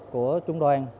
của trung đoàn